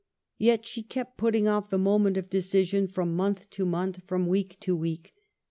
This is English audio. Yet she kept putting off the moment of decision from month to month, from week to week.